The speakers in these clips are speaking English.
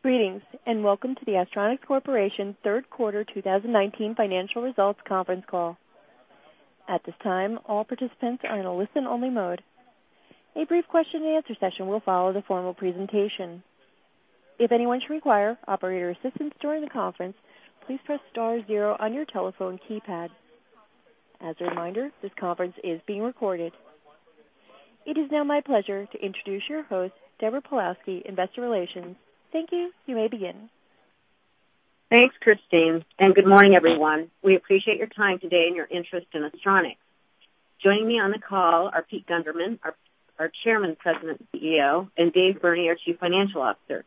Greetings, and welcome to the Astronics Corporation third quarter 2019 financial results conference call. At this time, all participants are in a listen-only mode. A brief question and answer session will follow the formal presentation. If anyone should require operator assistance during the conference, please press star zero on your telephone keypad. As a reminder, this conference is being recorded. It is now my pleasure to introduce your host, Deborah Pawlowski, Investor Relations. Thank you. You may begin. Thanks, Christine, and good morning, everyone. We appreciate your time today and your interest in Astronics. Joining me on the call are Pete Gundermann, our Chairman, President, CEO, and Dave Burney, our Chief Financial Officer.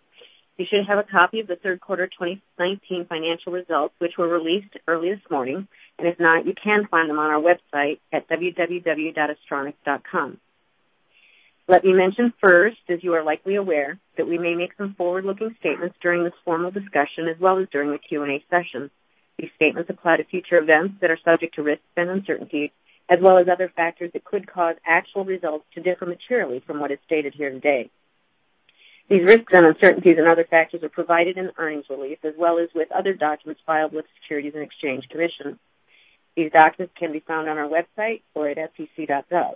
You should have a copy of the third quarter 2019 financial results, which were released early this morning, and if not, you can find them on our website at www.astronics.com. Let me mention first, as you are likely aware, that we may make some forward-looking statements during this formal discussion as well as during the Q&A session. These statements apply to future events that are subject to risks and uncertainties, as well as other factors that could cause actual results to differ materially from what is stated here today. These risks and uncertainties and other factors are provided in the earnings release, as well as with other documents filed with the Securities and Exchange Commission. These documents can be found on our website or at sec.gov.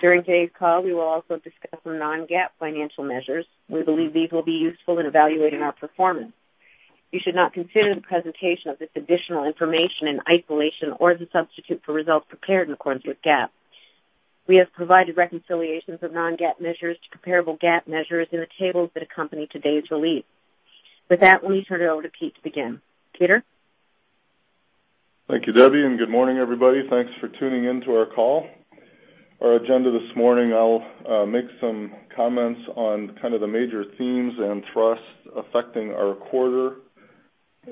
During today's call, we will also discuss some non-GAAP financial measures. We believe these will be useful in evaluating our performance. You should not consider the presentation of this additional information in isolation or as a substitute for results prepared in accordance with GAAP. We have provided reconciliations of non-GAAP measures to comparable GAAP measures in the tables that accompany today's release. With that, let me turn it over to Pete to begin. Peter? Thank you, Debbie. Good morning, everybody. Thanks for tuning in to our call. Our agenda this morning, I'll make some comments on kind of the major themes and thrusts affecting our quarter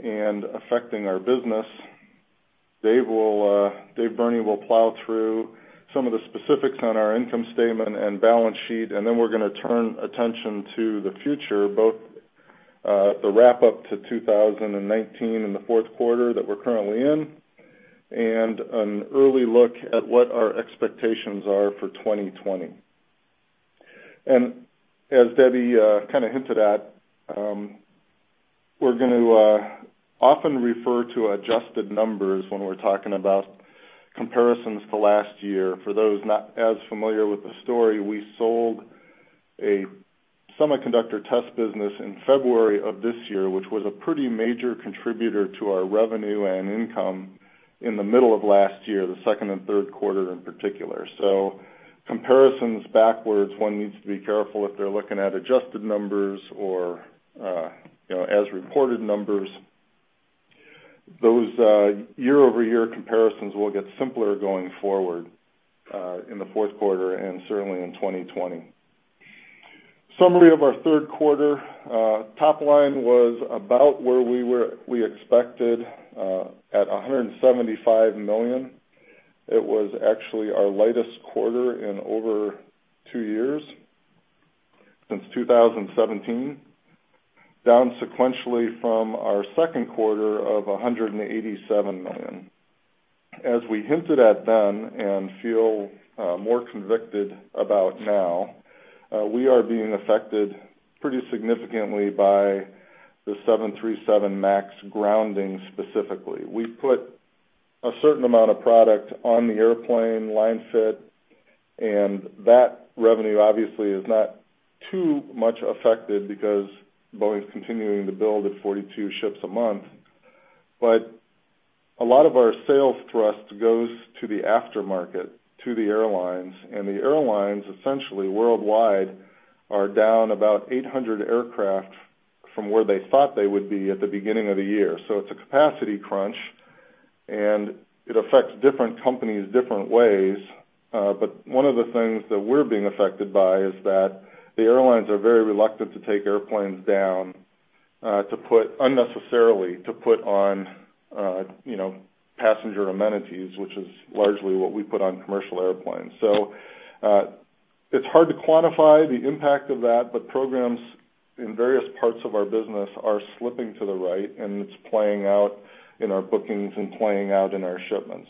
and affecting our business. Dave Burney will plow through some of the specifics on our income statement and balance sheet, and then we're going to turn attention to the future, both the wrap-up to 2019 and the fourth quarter that we're currently in, and an early look at what our expectations are for 2020. As Debbie kind of hinted at, we're going to often refer to adjusted numbers when we're talking about comparisons to last year. For those not as familiar with the story, we sold a Semiconductor Test Business in February of this year, which was a pretty major contributor to our revenue and income in the middle of last year, the second and third quarter in particular. Comparisons backwards, one needs to be careful if they're looking at adjusted numbers or as reported numbers. Those year-over-year comparisons will get simpler going forward, in the fourth quarter and certainly in 2020. Summary of our third quarter. Top line was about where we expected, at $175 million. It was actually our lightest quarter in over two years, since 2017, down sequentially from our second quarter of $187 million. As we hinted at then and feel more convicted about now, we are being affected pretty significantly by the 737 MAX grounding specifically. We put a certain amount of product on the airplane line fit. That revenue obviously is not too much affected because Boeing's continuing to build at 42 ships a month. A lot of our sales thrust goes to the aftermarket, to the airlines. The airlines, essentially worldwide, are down about 800 aircraft from where they thought they would be at the beginning of the year. It's a capacity crunch, and it affects different companies different ways. One of the things that we're being affected by is that the airlines are very reluctant to take airplanes down unnecessarily to put on passenger amenities, which is largely what we put on commercial airplanes. It's hard to quantify the impact of that, but programs in various parts of our business are slipping to the right, and it's playing out in our bookings and playing out in our shipments.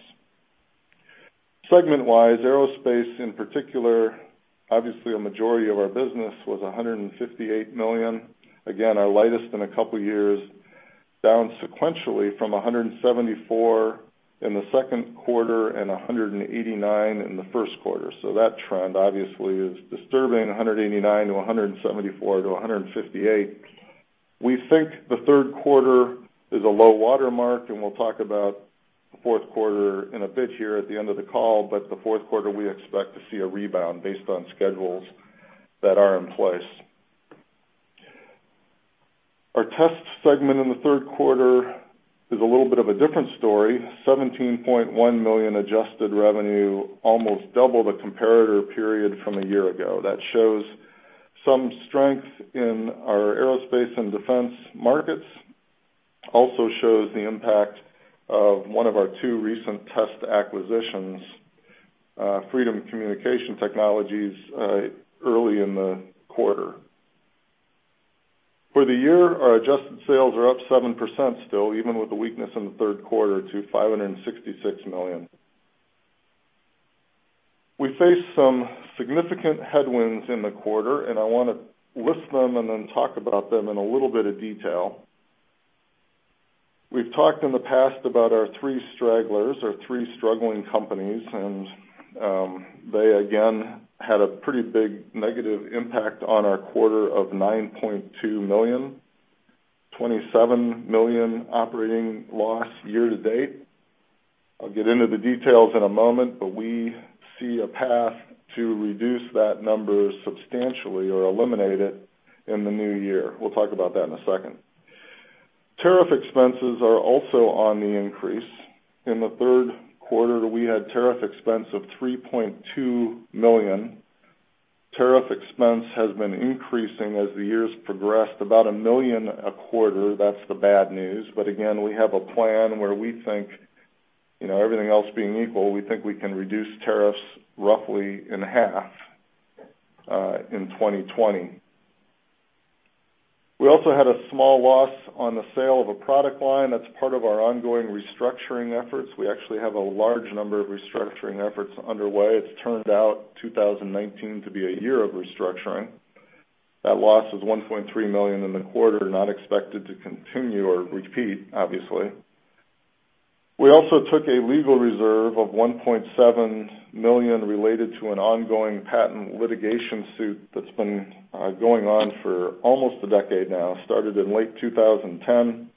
Segment-wise, aerospace in particular, obviously a majority of our business was $158 million. Again, our lightest in a couple of years, down sequentially from $174 million in the second quarter and $189 million in the first quarter. That trend obviously is disturbing, $189 million to $174 million to $158 million. We think the third quarter is a low water mark, and we'll talk about the fourth quarter in a bit here at the end of the call. The fourth quarter, we expect to see a rebound based on schedules that are in place. Our test segment in the third quarter is a little bit of a different story. $17.1 million adjusted revenue, almost double the comparator period from a year ago. That shows some strength in our aerospace and defense markets. Also shows the impact of one of our two recent test acquisitions, Freedom Communication Technologies, early in the quarter. For the year, our adjusted sales are up 7% still, even with the weakness in the third quarter to $566 million. We faced some significant headwinds in the quarter. I want to list them and then talk about them in a little bit of detail. We've talked in the past about our three stragglers, our three struggling companies. They again had a pretty big negative impact on our quarter of $9.2 million, $27 million operating loss year to date. I'll get into the details in a moment. We see a path to reduce that number substantially or eliminate it in the new year. We'll talk about that in a second. Tariff expenses are also on the increase. In the third quarter, we had tariff expense of $3.2 million. Tariff expense has been increasing as the years progressed, about $1 million a quarter. That's the bad news. Again, we have a plan where we think, everything else being equal, we think we can reduce tariffs roughly in half, in 2020. We also had a small loss on the sale of a product line that's part of our ongoing restructuring efforts. We actually have a large number of restructuring efforts underway. It's turned out 2019 to be a year of restructuring. That loss is $1.3 million in the quarter, not expected to continue or repeat, obviously. We also took a legal reserve of $1.7 million related to an ongoing patent litigation suit that's been going on for almost a decade now. Started in late 2010.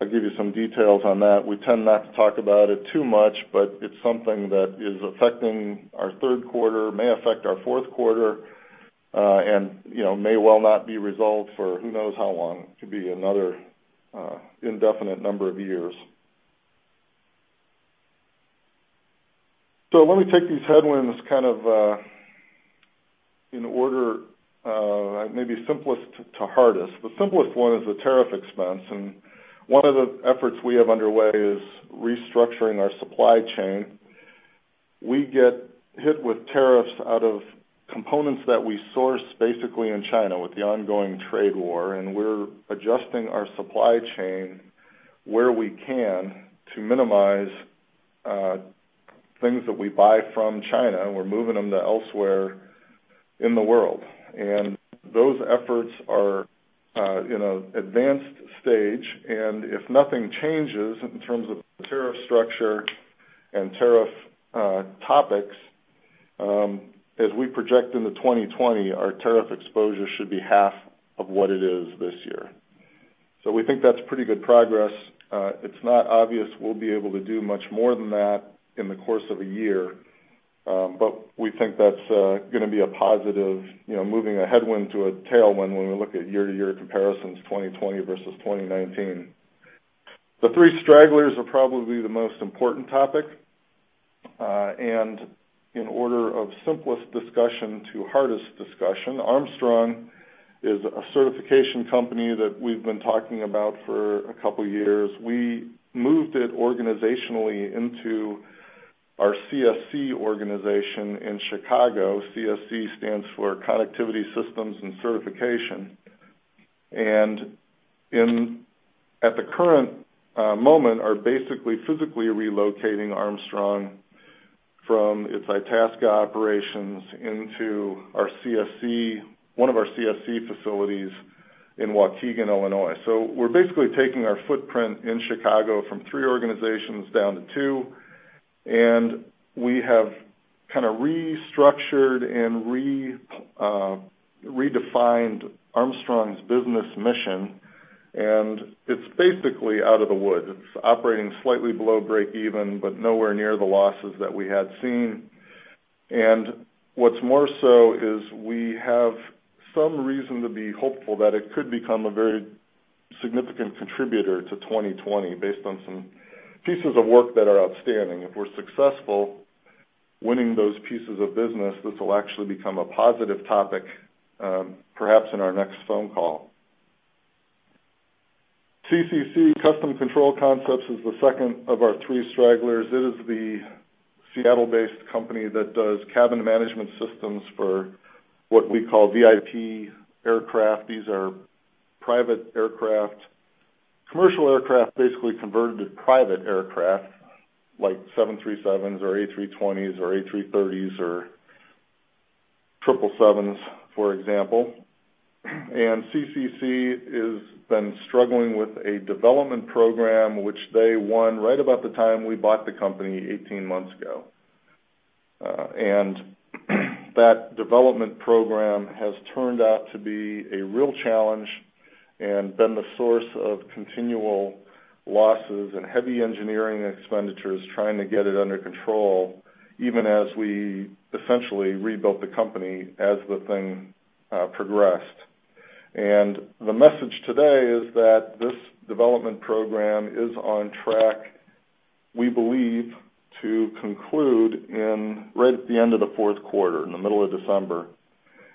I'll give you some details on that. We tend not to talk about it too much. It's something that is affecting our third quarter, may affect our fourth quarter, and may well not be resolved for who knows how long. It could be another indefinite number of years. Let me take these headwinds kind of in order, maybe simplest to hardest. The simplest one is the tariff expense. One of the efforts we have underway is restructuring our supply chain. We get hit with tariffs out of components that we source basically in China with the ongoing trade war. We're adjusting our supply chain where we can to minimize things that we buy from China. We're moving them to elsewhere in the world. Those efforts are advanced stage, and if nothing changes in terms of tariff structure and tariff topics, as we project into 2020, our tariff exposure should be half of what it is this year. We think that's pretty good progress. It's not obvious we'll be able to do much more than that in the course of a year. We think that's going to be a positive, moving a headwind to a tailwind when we look at year-to-year comparisons, 2020 versus 2019. The three stragglers are probably the most important topic. In order of simplest discussion to hardest discussion, Armstrong is a certification company that we've been talking about for a couple of years. We moved it organizationally into our CSC organization in Chicago. CSC stands for Connectivity Systems and Certification. At the current moment, are basically physically relocating Armstrong from its Itasca operations into one of our CSC facilities in Waukegan, Illinois. We're basically taking our footprint in Chicago from three organizations down to two, and we have kind of restructured and redefined Armstrong's business mission, and it's basically out of the woods. It's operating slightly below break even, but nowhere near the losses that we had seen. What's more so is we have some reason to be hopeful that it could become a very significant contributor to 2020 based on some pieces of work that are outstanding. If we're successful winning those pieces of business, this will actually become a positive topic, perhaps in our next phone call. CCC, Custom Control Concepts, is the second of our three stragglers. It is the Seattle-based company that does cabin management systems for what we call VIP aircraft. These are private aircraft, commercial aircraft basically converted to private aircraft, like 737s or A320s or A330s or 777s, for example. CCC has been struggling with a development program which they won right about the time we bought the company 18 months ago. That development program has turned out to be a real challenge and been the source of continual losses and heavy engineering expenditures trying to get it under control, even as we essentially rebuilt the company as the thing progressed. The message today is that this development program is on track, we believe, to conclude in right at the end of the fourth quarter, in the middle of December.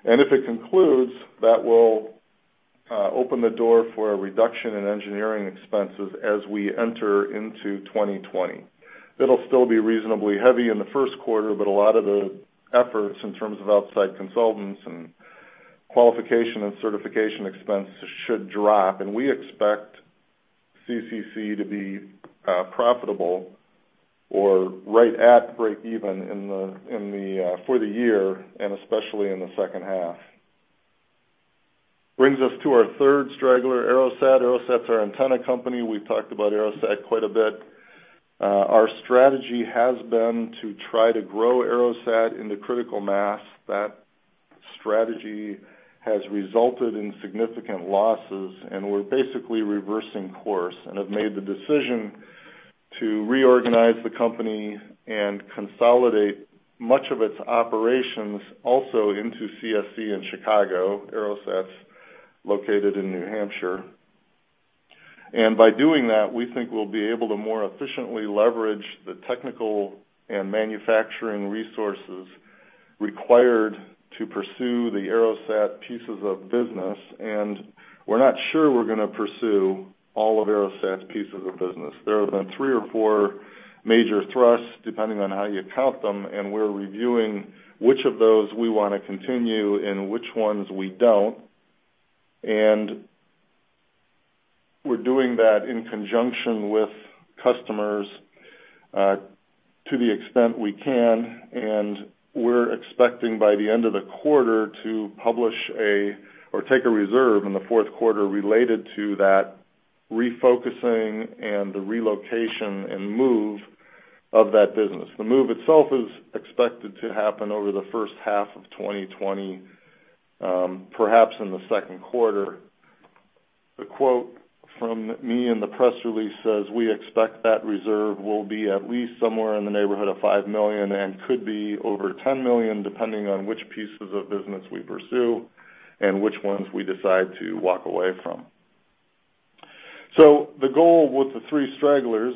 If it concludes, that will open the door for a reduction in engineering expenses as we enter into 2020. It'll still be reasonably heavy in the first quarter, but a lot of the efforts in terms of outside consultants and qualification and certification expenses should drop. We expect CCC to be profitable or right at breakeven for the year, especially in the second half. Brings us to our third straggler, AeroSat. AeroSat's our antenna company. We've talked about AeroSat quite a bit. Our strategy has been to try to grow AeroSat into critical mass. That strategy has resulted in significant losses, and we're basically reversing course and have made the decision to reorganize the company and consolidate much of its operations also into CSC in Chicago. AeroSat's located in New Hampshire. By doing that, we think we'll be able to more efficiently leverage the technical and manufacturing resources required to pursue the AeroSat pieces of business, and we're not sure we're going to pursue all of AeroSat's pieces of business. There have been three or four major thrusts, depending on how you count them, and we're reviewing which of those we want to continue and which ones we don't. We're doing that in conjunction with customers, to the extent we can, and we're expecting by the end of the quarter to publish or take a reserve in the fourth quarter related to that refocusing and the relocation and move of that business. The move itself is expected to happen over the first half of 2020, perhaps in the second quarter. The quote from me in the press release says we expect that reserve will be at least somewhere in the neighborhood of $5 million, and could be over $10 million, depending on which pieces of business we pursue and which ones we decide to walk away from. The goal with the three stragglers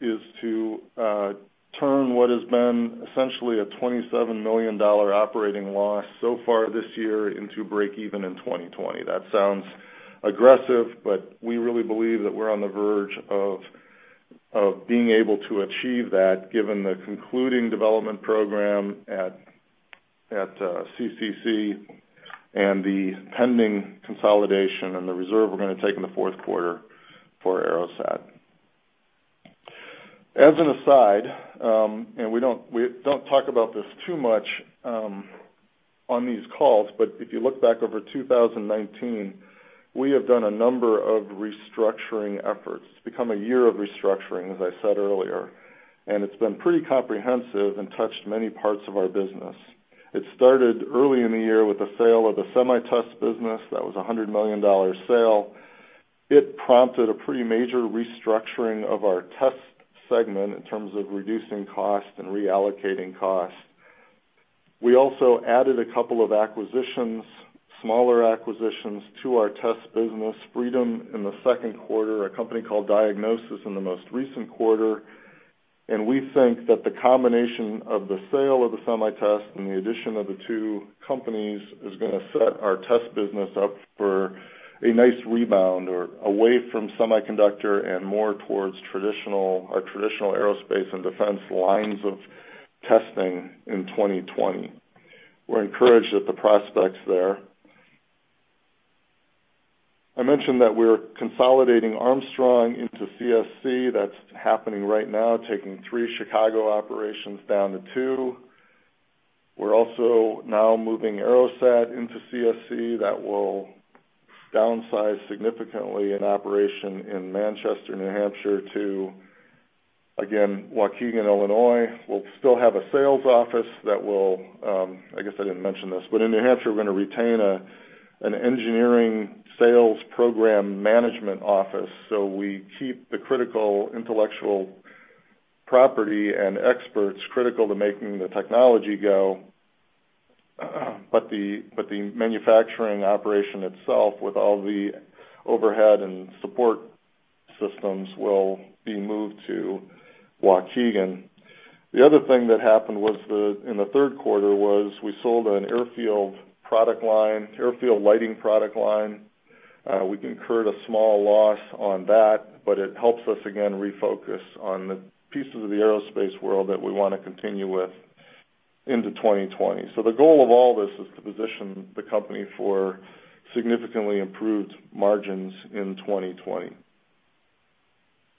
is to turn what has been essentially a $27 million operating loss so far this year into breakeven in 2020. That sounds aggressive, we really believe that we're on the verge of being able to achieve that given the concluding development program at CCC and the pending consolidation and the reserve we're going to take in the fourth quarter for AeroSat. As an aside, we don't talk about this too much on these calls, but if you look back over 2019, we have done a number of restructuring efforts. It's become a year of restructuring, as I said earlier. It's been pretty comprehensive and touched many parts of our business. It started early in the year with the sale of the SemiTest business. That was a $100 million sale. It prompted a pretty major restructuring of our test segment in terms of reducing costs and reallocating costs. We also added a couple of acquisitions, smaller acquisitions, to our test business, Freedom in the second quarter, a company called Diagnosys in the most recent quarter. We think that the combination of the sale of the SemiTest and the addition of the two companies is going to set our test business up for a nice rebound or away from semiconductor and more towards our traditional aerospace and defense lines of testing in 2020. We're encouraged at the prospects there. I mentioned that we're consolidating Armstrong into CSC. That's happening right now, taking three Chicago operations down to two. We're also now moving AeroSat into CSC. That will downsize significantly an operation in Manchester, New Hampshire to, again, Waukegan, Illinois. We'll still have a sales office. I guess I didn't mention this, but in New Hampshire, we're going to retain an engineering sales program management office, so we keep the critical intellectual property and experts critical to making the technology go. The manufacturing operation itself, with all the overhead and support systems, will be moved to Waukegan. The other thing that happened in the third quarter was we sold an airfield lighting product line. We incurred a small loss on that, but it helps us, again, refocus on the pieces of the aerospace world that we want to continue with into 2020. The goal of all this is to position the company for significantly improved margins in 2020.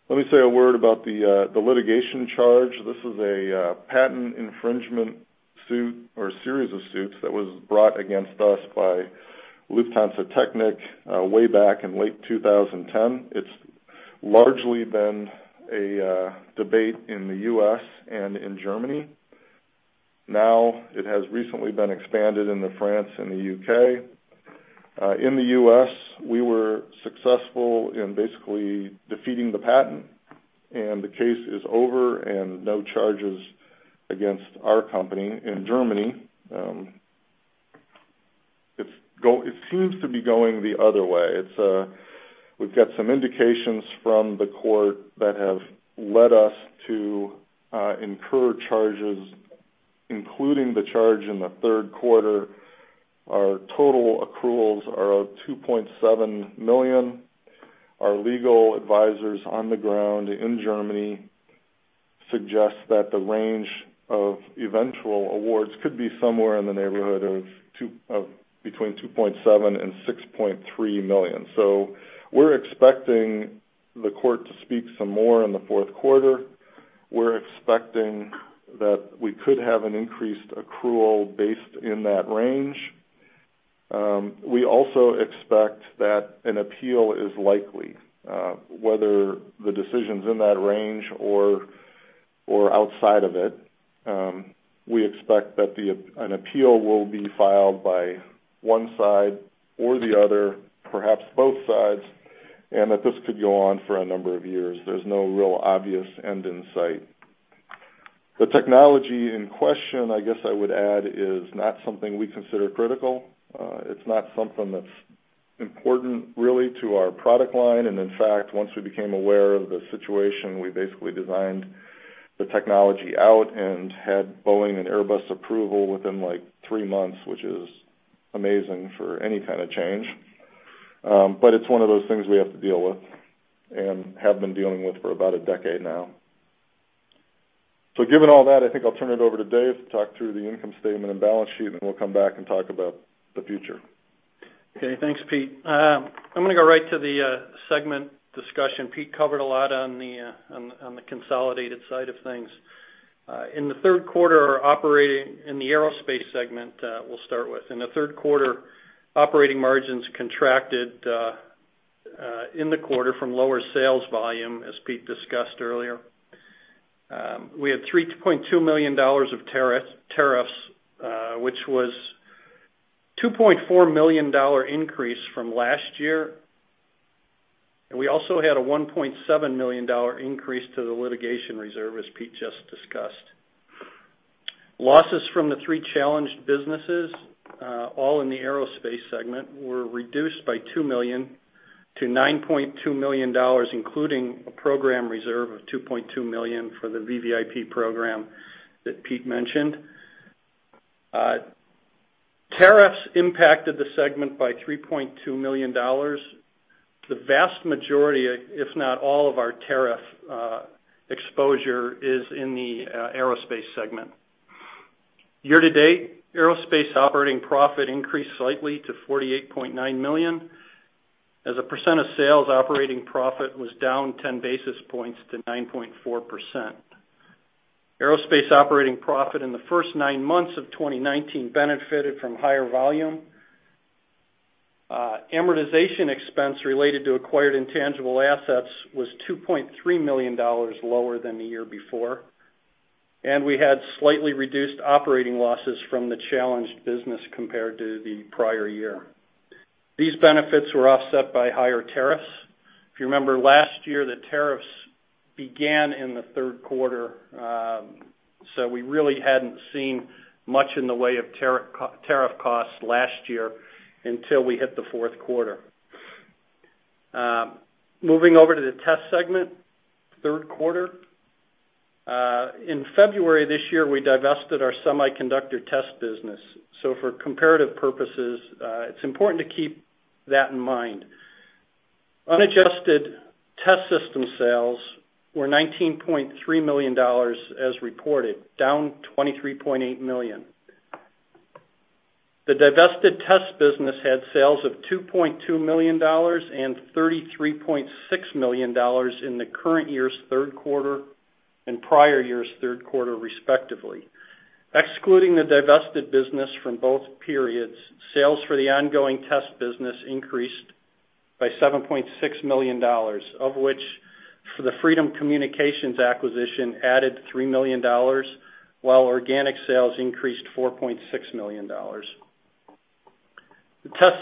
Let me say a word about the litigation charge. This is a patent infringement suit or series of suits that was brought against us by Lufthansa Technik way back in late 2010. It's largely been a debate in the U.S. and in Germany. It has recently been expanded into France and the U.K. In the U.S., we were successful in basically defeating the patent, and the case is over and no charges against our company. In Germany, it seems to be going the other way. We've got some indications from the court that have led us to incur charges, including the charge in the third quarter. Our total accruals are of $2.7 million. Our legal advisors on the ground in Germany suggests that the range of eventual awards could be somewhere in the neighborhood of between $2.7 million and $6.3 million. We're expecting the court to speak some more in the fourth quarter. We're expecting that we could have an increased accrual based in that range. We also expect that an appeal is likely, whether the decision's in that range or outside of it. We expect that an appeal will be filed by one side or the other, perhaps both sides, and that this could go on for a number of years. There's no real obvious end in sight. The technology in question, I guess I would add, is not something we consider critical. It's not something that's important, really, to our product line. In fact, once we became aware of the situation, we basically designed the technology out and had Boeing and Airbus approval within three months, which is amazing for any kind of change. It's one of those things we have to deal with and have been dealing with for about a decade now. Given all that, I think I'll turn it over to Dave to talk through the income statement and balance sheet, and then we'll come back and talk about the future. Okay. Thanks, Pete. I'm going to go right to the segment discussion. Pete covered a lot on the consolidated side of things. In the third quarter operating in the aerospace segment, we'll start with. In the third quarter, operating margins contracted in the quarter from lower sales volume, as Pete discussed earlier. We had $3.2 million of tariffs, which was a $2.4 million increase from last year. We also had a $1.7 million increase to the litigation reserve, as Pete just discussed. Losses from the three challenged businesses, all in the aerospace segment, were reduced by $2 million to $9.2 million, including a program reserve of $2.2 million for the VVIP program that Pete mentioned. Tariffs impacted the segment by $3.2 million. The vast majority, if not all of our tariff exposure, is in the aerospace segment. Year-to-date, aerospace operating profit increased slightly to $48.9 million. As a % of sales, operating profit was down 10 basis points to 9.4%. Aerospace operating profit in the first nine months of 2019 benefited from higher volume. Amortization expense related to acquired intangible assets was $2.3 million lower than the year before. We had slightly reduced operating losses from the challenged business compared to the prior year. These benefits were offset by higher tariffs. If you remember, last year, the tariffs began in the third quarter. We really hadn't seen much in the way of tariff costs last year until we hit the fourth quarter. Moving over to the Test segment, third quarter. In February this year, we divested our Semiconductor Test Business. For comparative purposes, it's important to keep that in mind. Unadjusted test system sales were $19.3 million as reported, down $23.8 million. The divested Semiconductor Test Business had sales of $2.2 million and $33.6 million in the current year's third quarter and prior year's third quarter respectively. Excluding the divested Semiconductor Test Business from both periods, sales for the ongoing test business increased by $7.6 million, of which for the Freedom Communication Technologies acquisition added $3 million, while organic sales increased $4.6 million. The test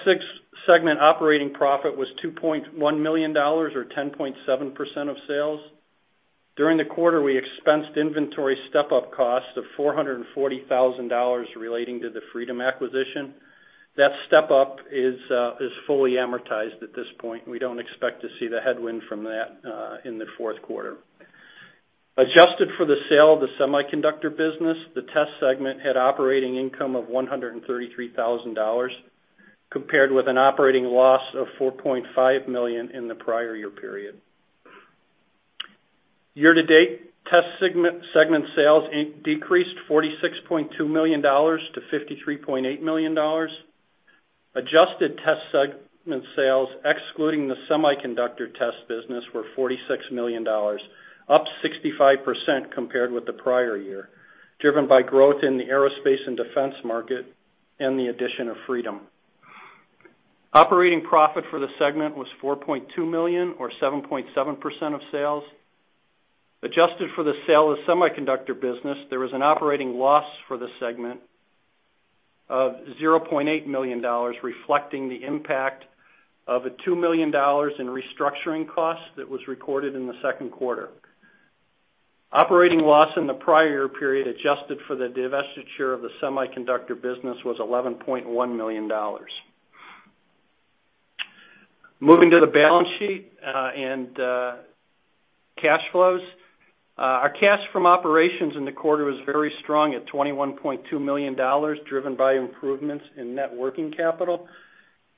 segment operating profit was $2.1 million or 10.7% of sales. During the quarter, we expensed inventory step-up cost of $440,000 relating to the Freedom Communication Technologies acquisition. That step-up is fully amortized at this point. We don't expect to see the headwind from that in the fourth quarter. Adjusted for the sale of the Semiconductor Test Business, the test segment had operating income of $133,000, compared with an operating loss of $4.5 million in the prior year period. Year-to-date test segment sales decreased $46.2 million to $53.8 million. Adjusted test segment sales, excluding the Semiconductor Test Business, were $46 million, up 65% compared with the prior year, driven by growth in the aerospace and defense market and the addition of Freedom. Operating profit for the segment was $4.2 million or 7.7% of sales. Adjusted for the sale of the Semiconductor business, there was an operating loss for the segment of $0.8 million, reflecting the impact of $2 million in restructuring costs that was recorded in the second quarter. Operating loss in the prior year period, adjusted for the divestiture of the Semiconductor business, was $11.1 million. Moving to the balance sheet and cash flows. Our cash from operations in the quarter was very strong at $21.2 million, driven by improvements in net working capital.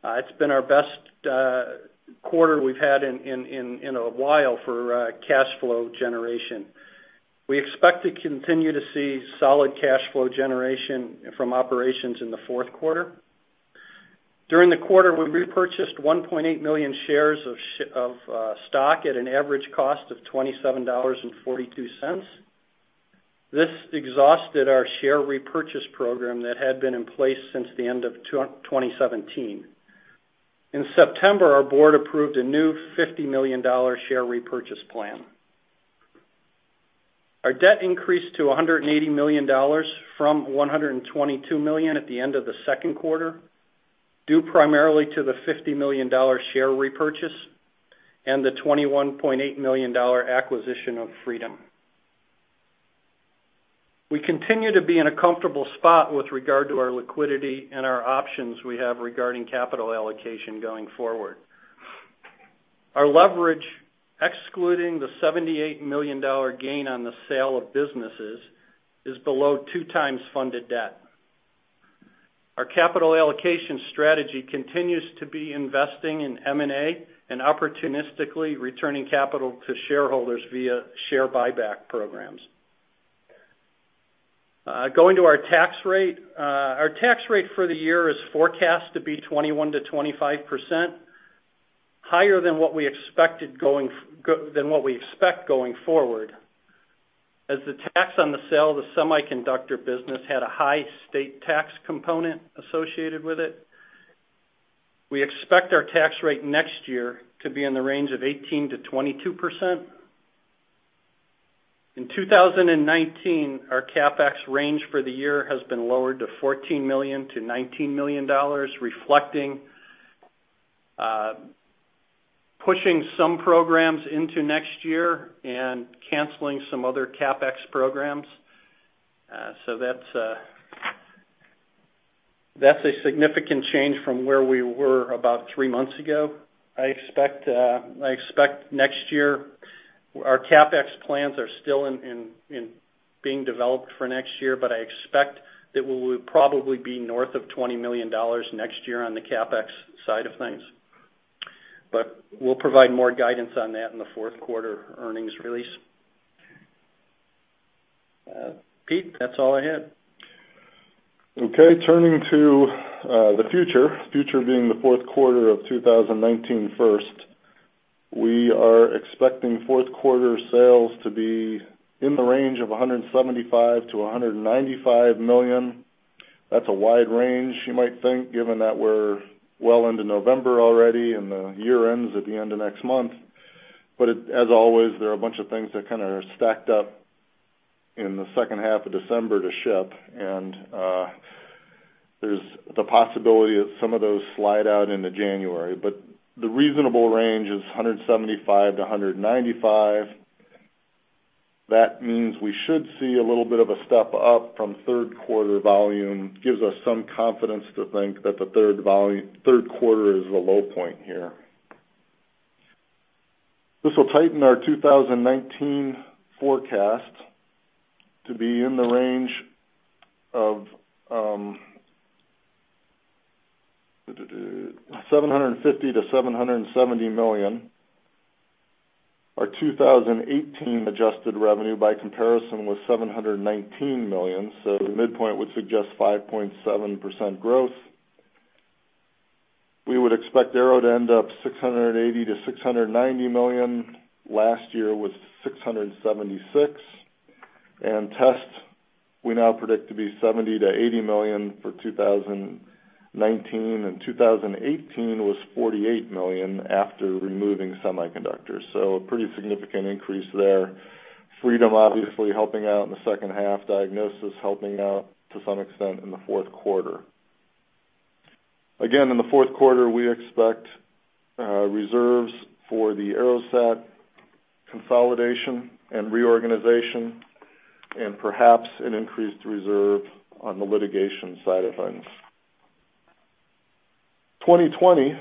It's been our best quarter we've had in a while for cash flow generation. We expect to continue to see solid cash flow generation from operations in the fourth quarter. During the quarter, we repurchased 1.8 million shares of stock at an average cost of $27.42. This exhausted our share repurchase program that had been in place since the end of 2017. In September, our board approved a new $50 million share repurchase plan. Our debt increased to $180 million from $122 million at the end of the second quarter, due primarily to the $50 million share repurchase and the $21.8 million acquisition of Freedom. We continue to be in a comfortable spot with regard to our liquidity and our options we have regarding capital allocation going forward. Our leverage, excluding the $78 million gain on the sale of businesses, is below two times funded debt. Our capital allocation strategy continues to be investing in M&A and opportunistically returning capital to shareholders via share buyback programs. Going to our tax rate. Our tax rate for the year is forecast to be 21%-25%, higher than what we expect going forward, as the tax on the sale of the Semiconductor Business had a high state tax component associated with it. We expect our tax rate next year to be in the range of 18%-22%. In 2019, our CapEx range for the year has been lowered to $14 million-$19 million, reflecting pushing some programs into next year and canceling some other CapEx programs. That's a significant change from where we were about three months ago. Our CapEx plans are still being developed for next year, but I expect that we will probably be north of $20 million next year on the CapEx side of things. We'll provide more guidance on that in the fourth quarter earnings release. Pete, that's all I had. Turning to the future being the fourth quarter of 2019 first. We are expecting fourth quarter sales to be in the range of $175 million-$195 million. That's a wide range, you might think, given that we're well into November already and the year ends at the end of next month. As always, there are a bunch of things that kind of are stacked up in the second half of December to ship, and there's the possibility that some of those slide out into January. The reasonable range is $175 million-$195 million. That means we should see a little bit of a step up from third quarter volume. This gives us some confidence to think that the third quarter is the low point here. This will tighten our 2019 forecast to be in the range of $750 million-$770 million. Our 2018 adjusted revenue, by comparison, was $719 million, so the midpoint would suggest 5.7% growth. We would expect Aero to end up $680 million to $690 million. Last year was $676 million. Test, we now predict to be $70 million to $80 million for 2019, and 2018 was $48 million after removing semiconductors. A pretty significant increase there. Freedom obviously helping out in the second half. Diagnosys helping out to some extent in the fourth quarter. Again, in the fourth quarter, we expect reserves for the AeroSat consolidation and reorganization and perhaps an increased reserve on the litigation side of things. 2020.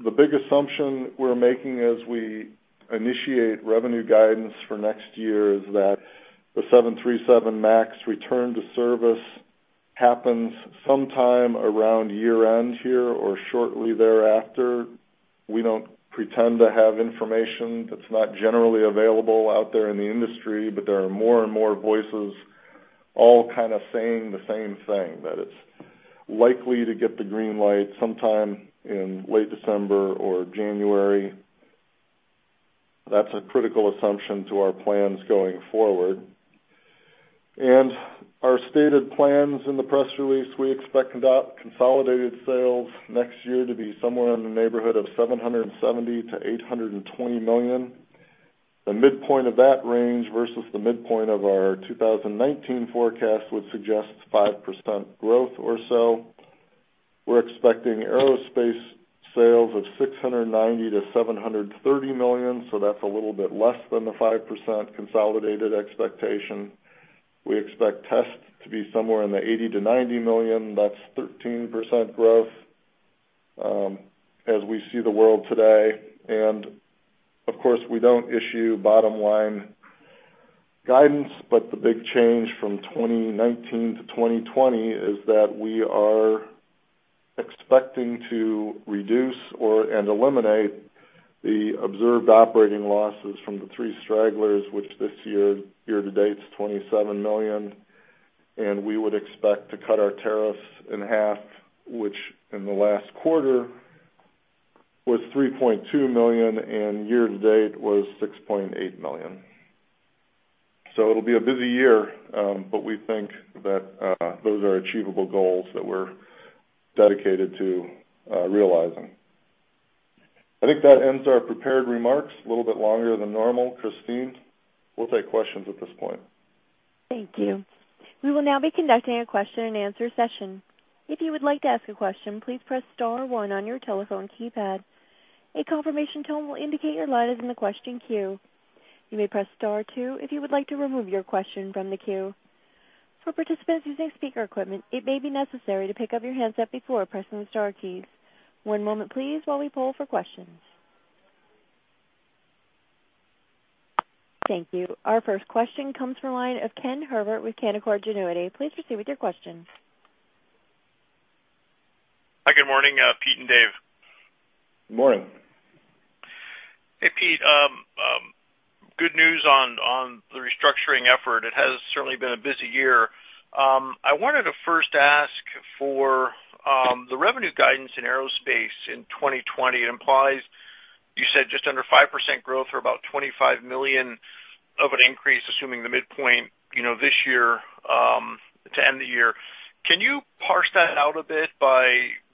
The big assumption we're making as we initiate revenue guidance for next year is that the 737 MAX return to service happens sometime around year-end here or shortly thereafter. We don't pretend to have information that's not generally available out there in the industry, but there are more and more voices all kind of saying the same thing, that it's likely to get the green light sometime in late December or January. That's a critical assumption to our plans going forward. Our stated plans in the press release, we expect consolidated sales next year to be somewhere in the neighborhood of $770 million-$820 million. The midpoint of that range versus the midpoint of our 2019 forecast would suggest 5% growth or so. We're expecting aerospace sales of $690 million-$730 million, so that's a little bit less than the 5% consolidated expectation. We expect Test to be somewhere in the $80 million-$90 million. That's 13% growth, as we see the world today. Of course, we don't issue bottom-line Guidance, but the big change from 2019 to 2020 is that we are expecting to reduce and eliminate the observed operating losses from the three stragglers, which this year to date is $27 million, and we would expect to cut our tariffs in half, which in the last quarter was $3.2 million, and year to date was $6.8 million. It'll be a busy year, but we think that those are achievable goals that we're dedicated to realizing. I think that ends our prepared remarks, a little bit longer than normal. Christine, we'll take questions at this point. Thank you. We will now be conducting a question and answer session. If you would like to ask a question, please press star one on your telephone keypad. A confirmation tone will indicate your line is in the question queue. You may press star two if you would like to remove your question from the queue. For participants using speaker equipment, it may be necessary to pick up your handset before pressing the star keys. One moment please while we poll for questions. Thank you. Our first question comes from the line of Kenneth Herbert with Canaccord Genuity. Please proceed with your question. Hi, good morning, Pete and Dave. Good morning. Hey, Pete. Good news on the restructuring effort. It has certainly been a busy year. I wanted to first ask for the revenue guidance in aerospace in 2020. It implies, you said just under 5% growth or about $25 million of an increase, assuming the midpoint this year to end the year. Can you parse that out a bit by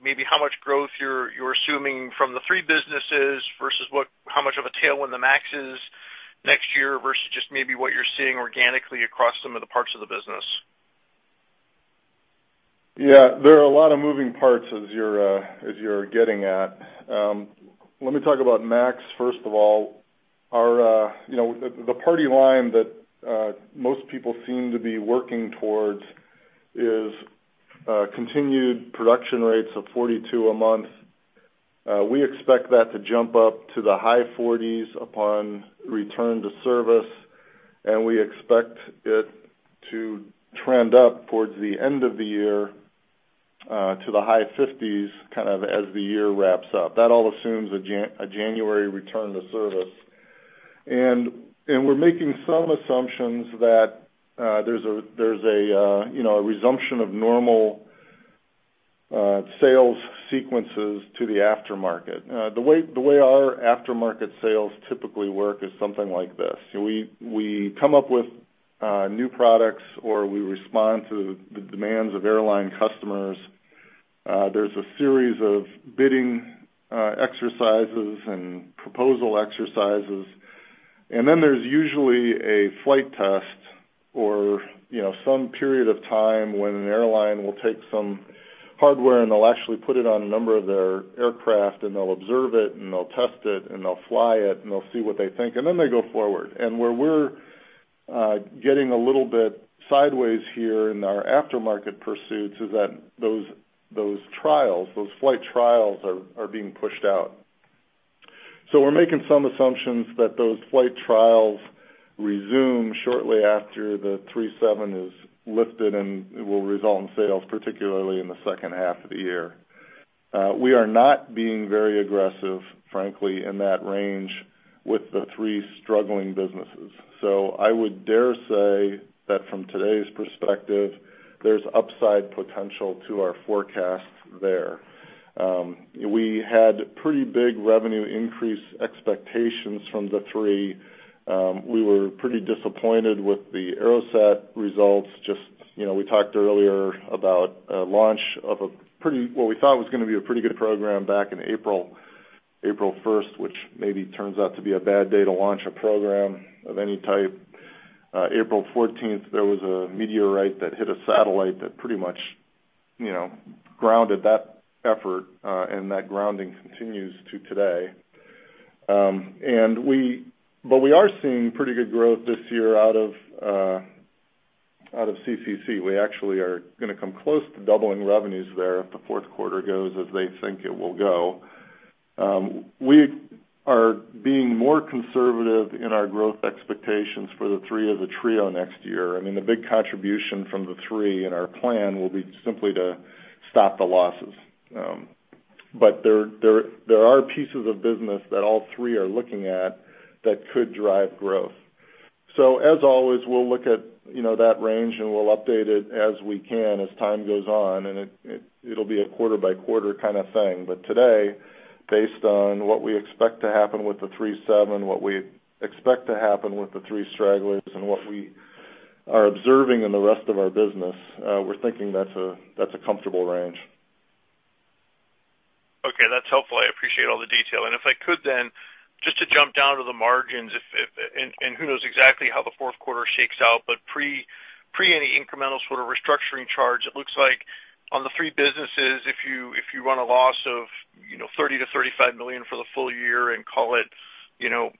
maybe how much growth you're assuming from the three businesses versus how much of a tailwind the Max is next year versus just maybe what you're seeing organically across some of the parts of the business? Yeah, there are a lot of moving parts as you're getting at. Let me talk about 737 MAX first of all. The party line that most people seem to be working towards is continued production rates of 42 a month. We expect that to jump up to the high 40s upon return to service, and we expect it to trend up towards the end of the year, to the high 50s kind of as the year wraps up. That all assumes a January return to service. We're making some assumptions that there's a resumption of normal sales sequences to the aftermarket. The way our aftermarket sales typically work is something like this. We come up with new products, or we respond to the demands of airline customers. There's a series of bidding exercises and proposal exercises, and then there's usually a flight test or some period of time when an airline will take some hardware and they'll actually put it on a number of their aircraft and they'll observe it and they'll test it and they'll fly it and they'll see what they think, and then they go forward. Where we're getting a little bit sideways here in our aftermarket pursuits is that those trials, those flight trials, are being pushed out. We're making some assumptions that those flight trials resume shortly after the 737 is lifted, and it will result in sales, particularly in the second half of the year. We are not being very aggressive, frankly, in that range with the 3 struggling businesses. I would dare say that from today's perspective, there's upside potential to our forecasts there. We had pretty big revenue increase expectations from the three. We were pretty disappointed with the AeroSat results. We talked earlier about a launch of what we thought was going to be a pretty good program back in April 1st, which maybe turns out to be a bad day to launch a program of any type. April 14th, there was a meteorite that hit a satellite that pretty much grounded that effort. That grounding continues to today. We are seeing pretty good growth this year out of CCC. We actually are going to come close to doubling revenues there if the fourth quarter goes as they think it will go. We are being more conservative in our growth expectations for the three of the trio next year. The big contribution from the three in our plan will be simply to stop the losses. There are pieces of business that all three are looking at that could drive growth. As always, we'll look at that range, and we'll update it as we can as time goes on, and it'll be a quarter by quarter kind of thing. Today, based on what we expect to happen with the 37, what we expect to happen with the three stragglers, and what we are observing in the rest of our business, we're thinking that's a comfortable range. Okay, that's helpful. I appreciate all the detail. If I could then, just to jump down to the margins, and who knows exactly how the fourth quarter shakes out. Pre any incremental sort of restructuring charge, it looks like on the three businesses, if you run a loss of $30 million-$35 million for the full year and call it $8 million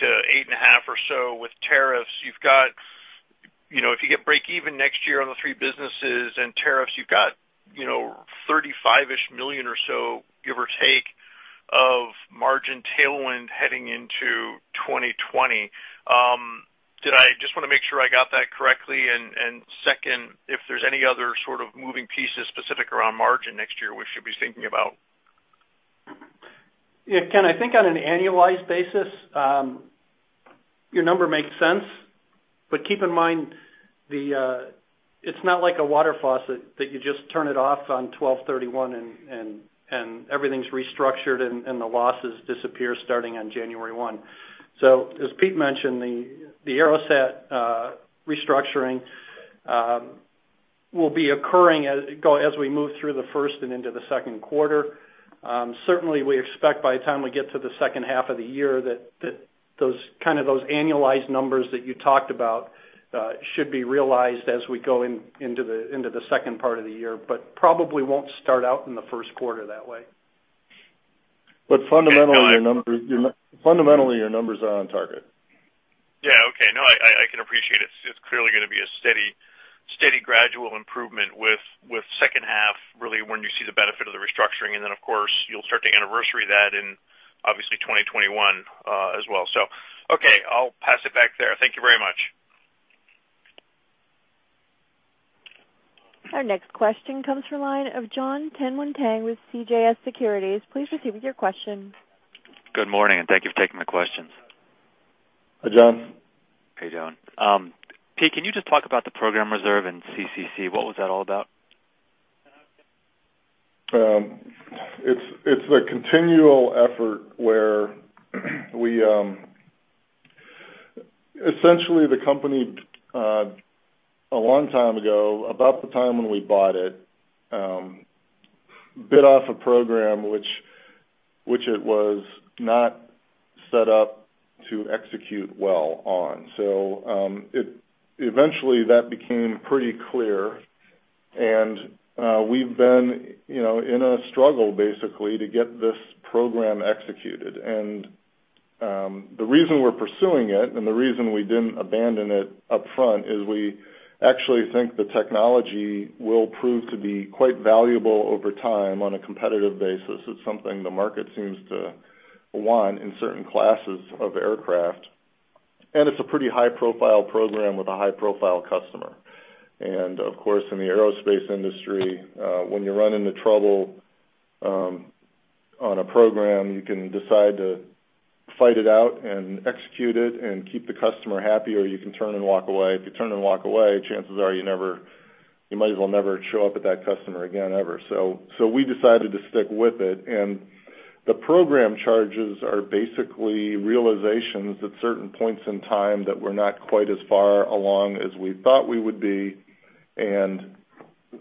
to $8 and a half million or so with tariffs, if you get break even next year on the three businesses and tariffs, you've got $35 million-ish or so give or take margin tailwind heading into 2020. I just want to make sure I got that correctly, and second, if there's any other sort of moving pieces specific around margin next year we should be thinking about. Ken, I think on an annualized basis, your number makes sense, keep in mind, it's not like a water faucet that you just turn it off on 12/31, and everything's restructured, and the losses disappear starting on January 1. As Pete mentioned, the AeroSat restructuring will be occurring as we move through the first and into the second quarter. Certainly, we expect by the time we get to the second half of the year, that those annualized numbers that you talked about should be realized as we go into the second part of the year. Probably won't start out in the first quarter that way. Fundamentally, your numbers are on target. Yeah. Okay. No, I can appreciate it. It's clearly going to be a steady gradual improvement with second half, really when you see the benefit of the restructuring. Then, of course, you'll start to anniversary that in obviously 2021, as well. Okay, I'll pass it back there. Thank you very much. Our next question comes from line of John John Tanwanteng with CJS Securities. Please proceed with your question. Good morning, thank you for taking the questions. Hi, John. Hey, John. Pete, can you just talk about the program reserve in CCC? What was that all about? It's a continual effort. Essentially, the company, a long time ago, about the time when we bought it, bit off a program which it was not set up to execute well on. Eventually that became pretty clear, and we've been in a struggle, basically, to get this program executed. The reason we're pursuing it and the reason we didn't abandon it up front is we actually think the technology will prove to be quite valuable over time on a competitive basis. It's something the market seems to want in certain classes of aircraft, and it's a pretty high profile program with a high profile customer. Of course, in the aerospace industry, when you run into trouble on a program, you can decide to fight it out and execute it and keep the customer happy, or you can turn and walk away. If you turn and walk away, chances are you might as well never show up at that customer again, ever. We decided to stick with it, and the program charges are basically realizations at certain points in time that we're not quite as far along as we thought we would be, and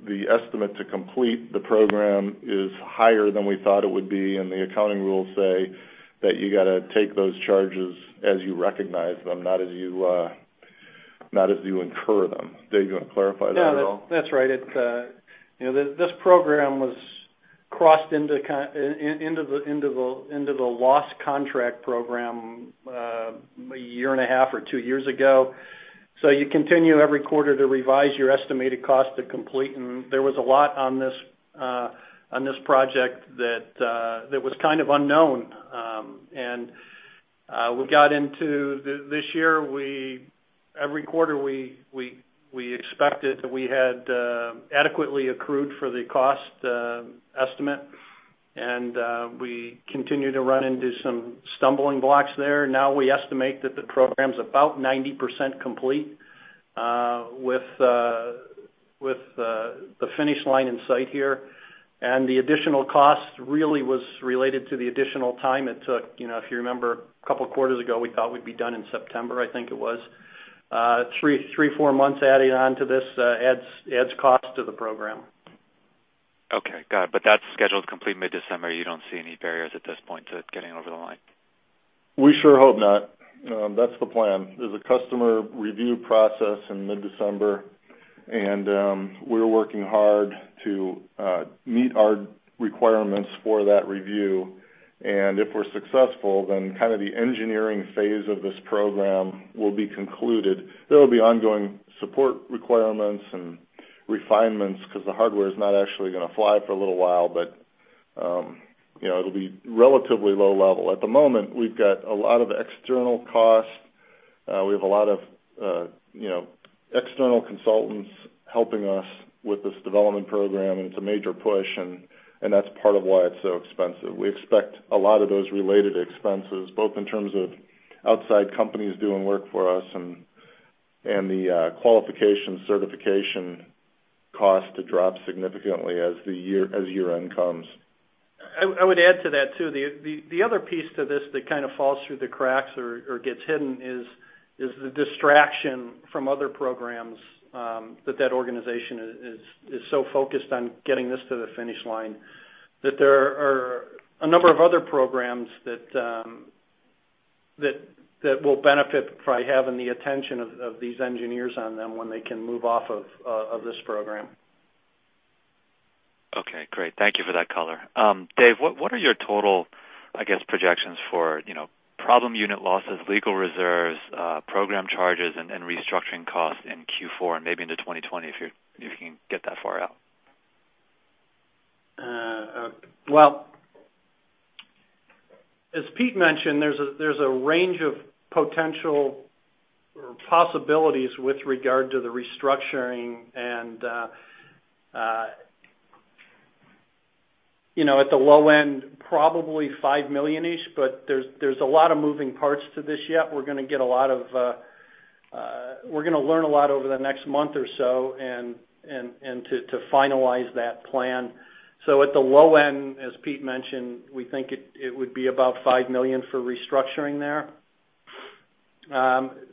the estimate to complete the program is higher than we thought it would be, and the accounting rules say that you got to take those charges as you recognize them, not as you incur them. Dave, do you want to clarify that at all? Yeah, that's right. This program was crossed into the loss contract program a year and a half or two years ago. You continue every quarter to revise your estimated cost to complete. There was a lot on this project that was kind of unknown. We got into this year, every quarter, we expected that we had adequately accrued for the cost estimate. We continued to run into some stumbling blocks there. Now we estimate that the program's about 90% complete, with the finish line in sight here. The additional cost really was related to the additional time it took. If you remember, a couple of quarters ago, we thought we'd be done in September, I think it was. Three, four months adding on to this adds cost to the program. Okay. Got it. That's scheduled complete mid-December. You don't see any barriers at this point to it getting over the line? We sure hope not. That's the plan. There's a customer review process in mid-December. We're working hard to meet our requirements for that review. If we're successful, kind of the engineering phase of this program will be concluded. There will be ongoing support requirements and refinements because the hardware is not actually going to fly for a little while. It'll be relatively low level. At the moment, we've got a lot of external costs. We have a lot of external consultants helping us with this development program. It's a major push. That's part of why it's so expensive. We expect a lot of those related expenses, both in terms of outside companies doing work for us and the qualification certification cost to drop significantly as year-end comes. I would add to that, too. The other piece to this that kind of falls through the cracks or gets hidden is the distraction from other programs, that that organization is so focused on getting this to the finish line, that there are a number of other programs that will benefit by having the attention of these engineers on them when they can move off of this program. Okay, great. Thank you for that color. Dave, what are your total, I guess, projections for problem unit losses, legal reserves, program charges, and restructuring costs in Q4 and maybe into 2020, if you can get that far out? Well, as Pete mentioned, there's a range of potential possibilities with regard to the restructuring. At the low end, probably $5 million-ish, but there's a lot of moving parts to this yet. We're going to learn a lot over the next month or so and to finalize that plan. At the low end, as Pete mentioned, we think it would be about $5 million for restructuring there.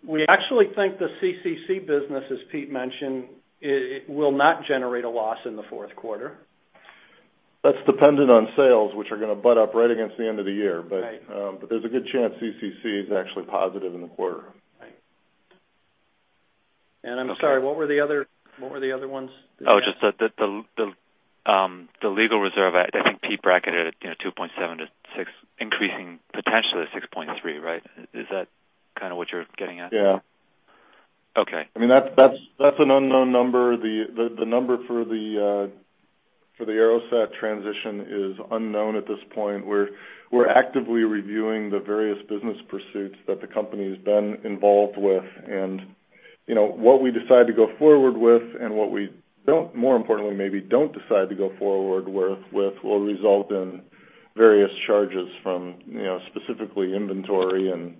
We actually think the CCC business, as Pete mentioned, it will not generate a loss in the fourth quarter. That's dependent on sales, which are going to butt up right against the end of the year. Right. There's a good chance CCC is actually positive in the quarter. Right. I'm sorry, what were the other ones? Oh, just the legal reserve. I think Pete bracketed it $2.7 to $6, increasing potentially to $6.3, right? Is that kind of what you're getting at? Yeah. Okay. That's an unknown number. The number for the AeroSat transition is unknown at this point. We're actively reviewing the various business pursuits that the company's been involved with, and what we decide to go forward with and what we, more importantly maybe, don't decide to go forward with will result in various charges from specifically inventory and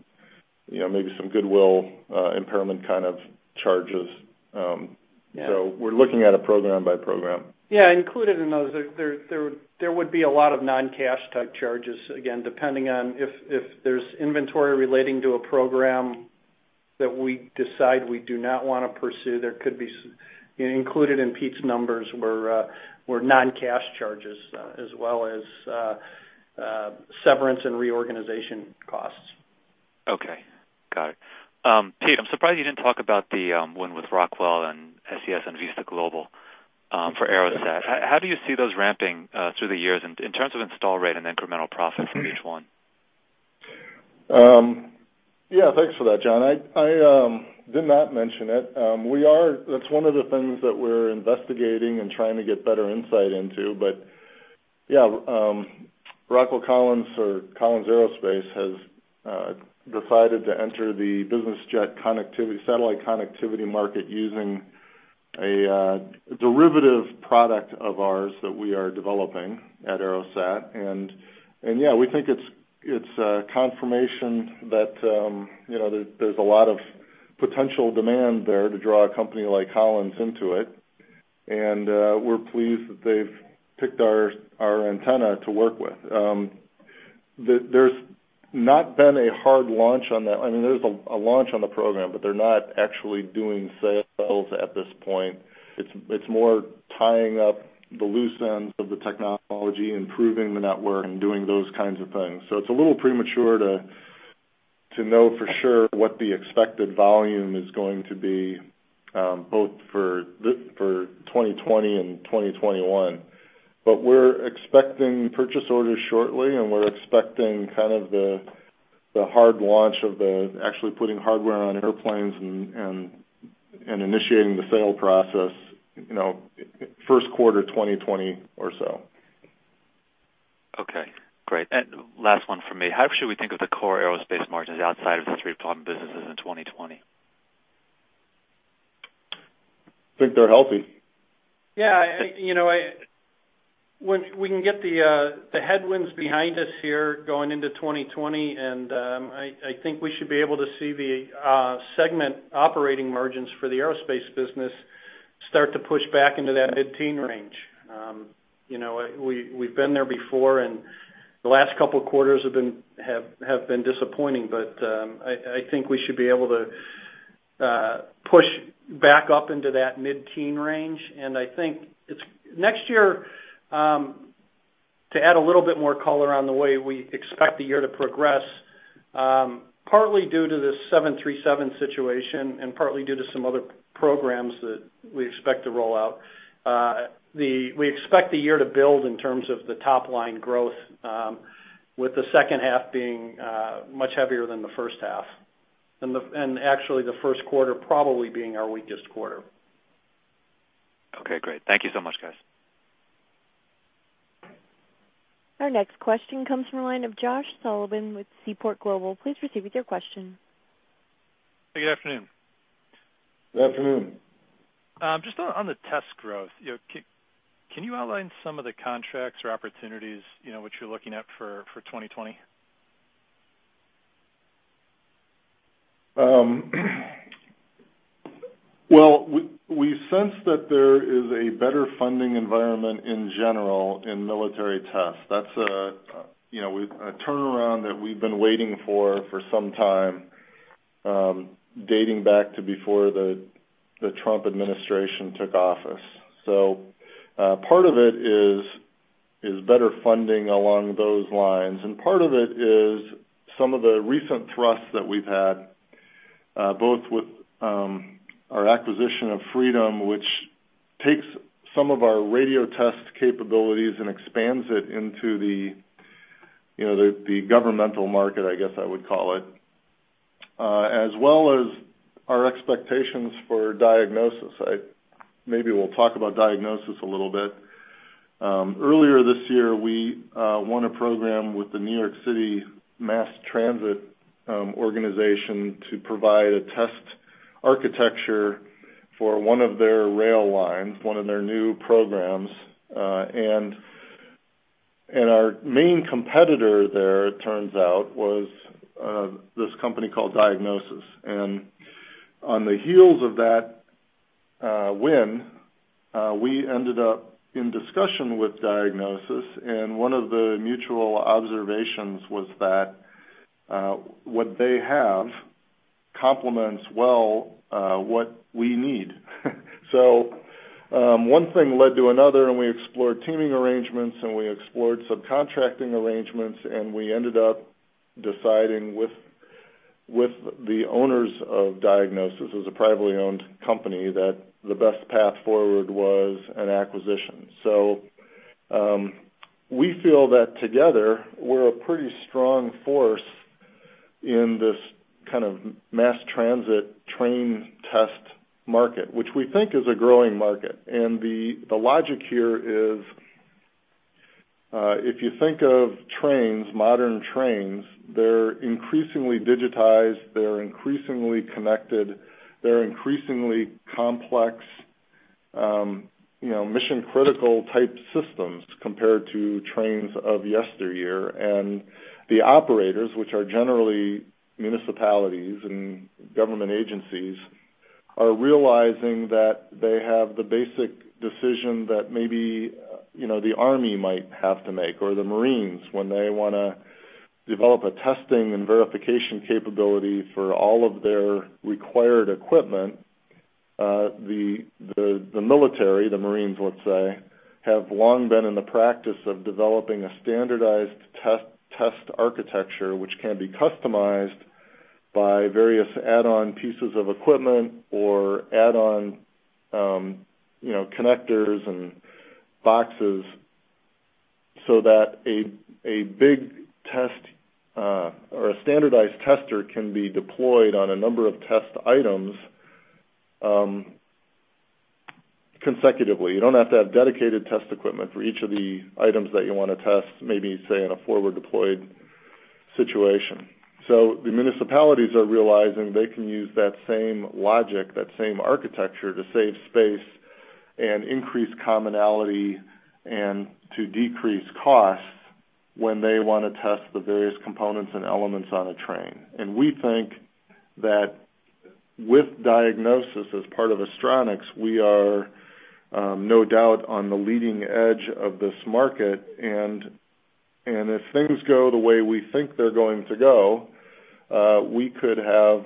maybe some goodwill impairment kind of charges. Yeah. We're looking at it program by program. Yeah, included in those, there would be a lot of non-cash type charges. Again, depending on if there's inventory relating to a program that we decide we do not want to pursue. Included in Pete's numbers were non-cash charges, as well as severance and reorganization costs. Okay. Got it. Pete, I'm surprised you didn't talk about the win with Rockwell and SES and Vista Global for AeroSat. How do you see those ramping through the years in terms of install rate and incremental profit from each one? Yeah, thanks for that, John. I did not mention it. That's one of the things that we're investigating and trying to get better insight into. Yeah, Rockwell Collins or Collins Aerospace has decided to enter the business jet satellite connectivity market using a derivative product of ours that we are developing at AeroSat. Yeah, we think it's a confirmation that there's a lot of potential demand there to draw a company like Collins into it. We're pleased that they've picked our antenna to work with. There's not been a hard launch on that. There's a launch on the program, they're not actually doing sales at this point. It's more tying up the loose ends of the technology, improving the network, and doing those kinds of things. It's a little premature to know for sure what the expected volume is going to be, both for 2020 and 2021. We're expecting purchase orders shortly, and we're expecting the hard launch of actually putting hardware on airplanes and initiating the sale process first quarter 2020 or so. Okay. Great. Last one from me. How should we think of the core aerospace margins outside of the three PLM businesses in 2020? I think they're healthy. Yeah. When we can get the headwinds behind us here going into 2020, I think we should be able to see the segment operating margins for the aerospace business start to push back into that mid-teen % range. We've been there before, the last couple of quarters have been disappointing. I think we should be able to push back up into that mid-teen % range. I think next year, to add a little bit more color on the way we expect the year to progress, partly due to the 737 situation and partly due to some other programs that we expect to roll out. We expect the year to build in terms of the top-line growth, with the second half being much heavier than the first half. Actually, the first quarter probably being our weakest quarter. Okay, great. Thank you so much, guys. Our next question comes from the line of Josh Sullivan with Seaport Global. Please proceed with your question. Good afternoon. Good afternoon. Just on the test growth, can you outline some of the contracts or opportunities, what you're looking at for 2020? Well, we sense that there is a better funding environment in general in military tests. That's a turnaround that we've been waiting for some time, dating back to before the Trump administration took office. Part of it is better funding along those lines, and part of it is some of the recent thrust that we've had, both with our acquisition of Freedom, which takes some of our radio test capabilities and expands it into the governmental market, I guess I would call it. As well as our expectations for Diagnosys. Maybe we'll talk about Diagnosys a little bit. Earlier this year, we won a program with the New York City Transit Authority to provide a test architecture for one of their rail lines, one of their new programs. Our main competitor there, it turns out, was this company called Diagnosys. On the heels of that win, we ended up in discussion with Diagnosys, and one of the mutual observations was that what they have complements well what we need. One thing led to another, and we explored teaming arrangements, and we explored subcontracting arrangements, and we ended up deciding with the owners of Diagnosys, it was a privately owned company, that the best path forward was an acquisition. We feel that together, we're a pretty strong force in this kind of mass transit train test market, which we think is a growing market. The logic here is, if you think of trains, modern trains, they're increasingly digitized, they're increasingly connected, they're increasingly complex, mission-critical type systems compared to trains of yesteryear. Operators, which are generally municipalities and government agencies, are realizing that they have the basic decision that maybe the army might have to make, or the Marines, when they want to develop a testing and verification capability for all of their required equipment. The military, the Marines, let's say, have long been in the practice of developing a standardized test architecture, which can be customized by various add-on pieces of equipment or add-on connectors and boxes so that a big test or a standardized tester can be deployed on a number of test items consecutively. You don't have to have dedicated test equipment for each of the items that you want to test, maybe, say, in a forward deployed situation. The municipalities are realizing they can use that same logic, that same architecture, to save space and increase commonality and to decrease costs when they want to test the various components and elements on a train. We think that with Diagnosys as part of Astronics, we are no doubt on the leading edge of this market. If things go the way we think they're going to go, we could have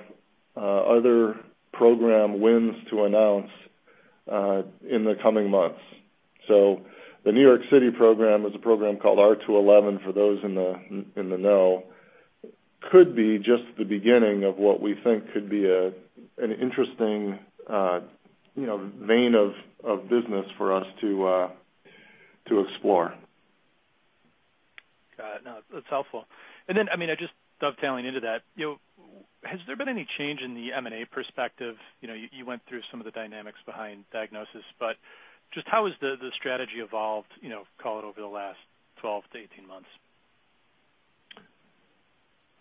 other program wins to announce in the coming months. The New York City program is a program called R211, for those in the know. It could be just the beginning of what we think could be an interesting vein of business for us to explore. Got it. No, that's helpful. Just dovetailing into that, has there been any change in the M&A perspective? You went through some of the dynamics behind Diagnosys, just how has the strategy evolved, call it, over the last 12 to 18 months?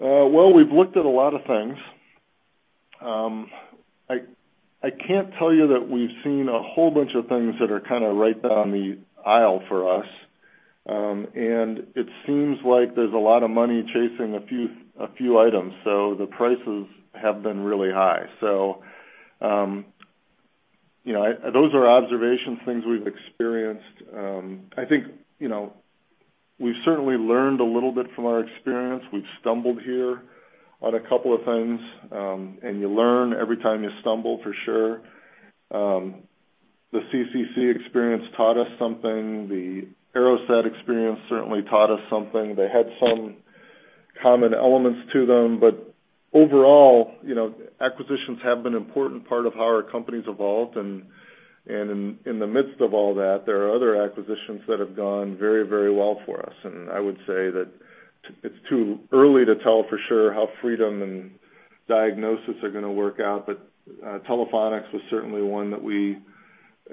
Well, we've looked at a lot of things. I can't tell you that we've seen a whole bunch of things that are kind of right down the aisle for us. It seems like there's a lot of money chasing a few items, so the prices have been really high. Those are observation things we've experienced. I think, we've certainly learned a little bit from our experience. We've stumbled here on a couple of things. You learn every time you stumble, for sure. The CCC experience taught us something. The AeroSat experience certainly taught us something. They had some common elements to them. Overall, acquisitions have been an important part of how our company's evolved. In the midst of all that, there are other acquisitions that have gone very well for us. I would say that it's too early to tell for sure how Freedom and Diagnosys are going to work out. Telephonics was certainly one that we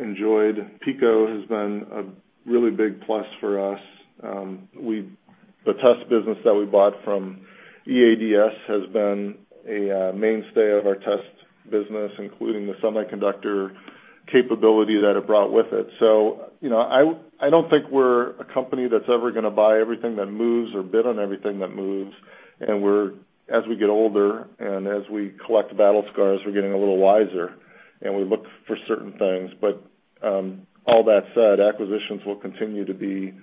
enjoyed. PECO has been a really big plus for us. The test business that we bought from EADS has been a mainstay of our test business, including the semiconductor capability that it brought with it. I don't think we're a company that's ever going to buy everything that moves or bid on everything that moves. As we get older and as we collect battle scars, we're getting a little wiser, and we look for certain things. All that said, acquisitions will continue to be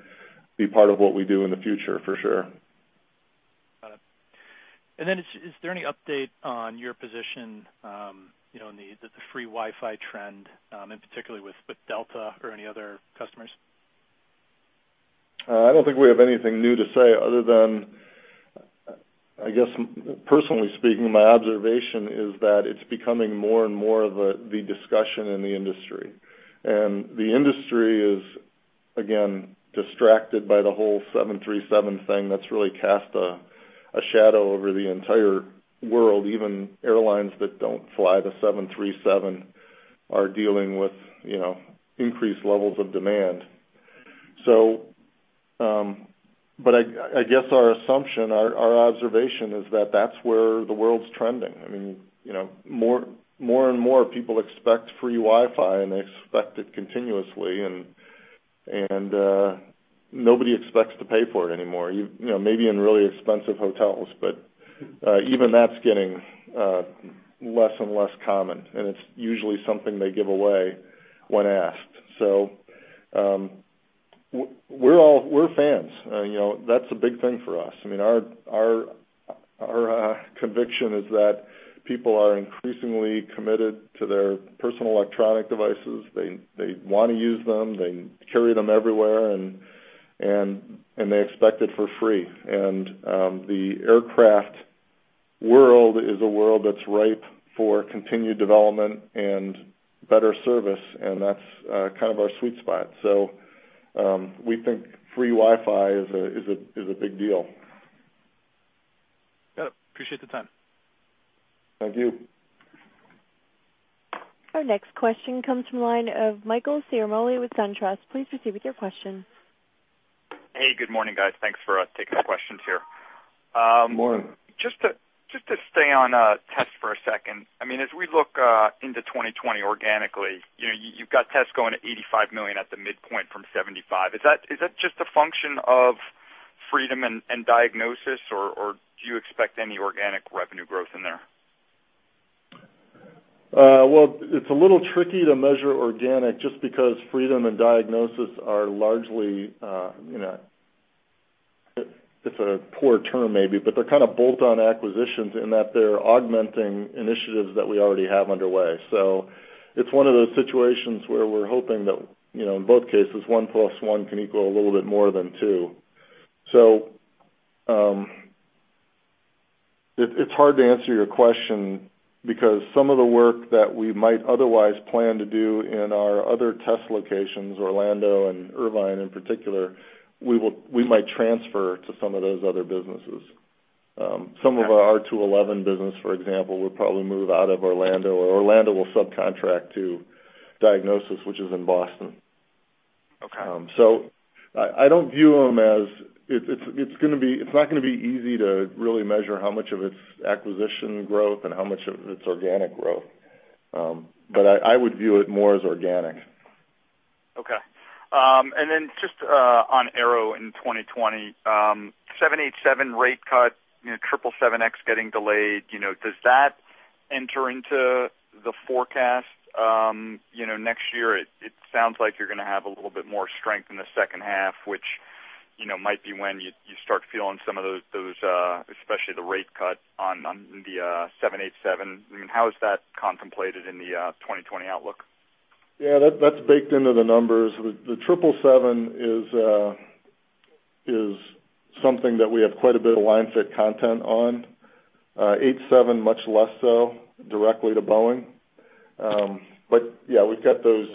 part of what we do in the future, for sure. Got it. Is there any update on your position in the free Wi-Fi trend, and particularly with Delta or any other customers? I don't think we have anything new to say other than, I guess personally speaking, my observation is that it's becoming more and more of the discussion in the industry. The industry is again distracted by the whole 737 thing that's really cast a shadow over the entire world. Even airlines that don't fly the 737 are dealing with increased levels of demand. I guess our assumption, our observation is that that's where the world's trending. More and more people expect free Wi-Fi, and they expect it continuously. Nobody expects to pay for it anymore. Maybe in really expensive hotels, but even that's getting less and less common, and it's usually something they give away when asked. We're fans. That's a big thing for us. Our conviction is that people are increasingly committed to their personal electronic devices. They want to use them, they carry them everywhere, they expect it for free. The aircraft world is a world that's ripe for continued development and better service, and that's kind of our sweet spot. We think free Wi-Fi is a big deal. Got it. Appreciate the time. Thank you. Our next question comes from the line of Michael Ciarmoli with SunTrust. Please proceed with your question. Hey, good morning, guys. Thanks for taking the questions here. Good morning. Just to stay on Test for a second. As we look into 2020 organically, you've got Test going at $85 million at the midpoint from $75 million. Is that just a function of Freedom and Diagnosys, or do you expect any organic revenue growth in there? Well, it's a little tricky to measure organic just because freedom and Diagnosys are largely, it's a poor term maybe, but they're kind of bolt-on acquisitions in that they're augmenting initiatives that we already have underway. It's one of those situations where we're hoping that, in both cases, one plus one can equal a little bit more than two. It's hard to answer your question because some of the work that we might otherwise plan to do in our other test locations, Orlando and Irvine in particular, we might transfer to some of those other businesses. Okay. Some of our R211 business, for example, would probably move out of Orlando, or Orlando will subcontract to Diagnosys, which is in Boston. Okay. I don't view them. It's not going to be easy to really measure how much of it's acquisition growth and how much of it's organic growth. I would view it more as organic. Okay. Just on Aero in 2020. 787 rate cut, 777X getting delayed. Does that enter into the forecast? Next year it sounds like you're going to have a little bit more strength in the second half, which might be when you start feeling some of those, especially the rate cut on the 787. How is that contemplated in the 2020 outlook? Yeah, that's baked into the numbers. The 777 is something that we have quite a bit of line-fit content on. 87, much less so directly to Boeing. Yeah, we've got those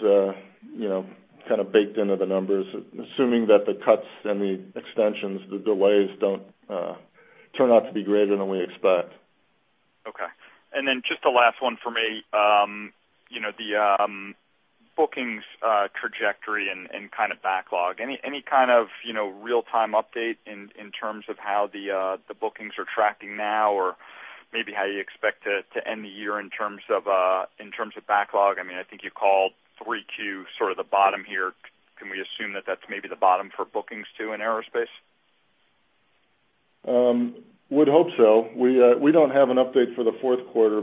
kind of baked into the numbers, assuming that the cuts and the extensions, the delays don't turn out to be greater than we expect. Okay. Just the last one for me. The bookings trajectory and kind of backlog. Any kind of real-time update in terms of how the bookings are tracking now? Maybe how you expect to end the year in terms of backlog? I think you called 3Q sort of the bottom here. Can we assume that that's maybe the bottom for bookings too in aerospace? Would hope so. We don't have an update for the fourth quarter.